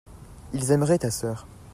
ils aimeraient ta sœur.